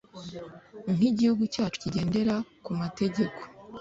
nk’igihugu cyacu kigendera ku mategeko